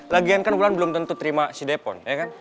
lagian kan mulan belum tentu terima si depon ya kan